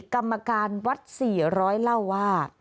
กรรมการวัด๔๐๐เล่าว่า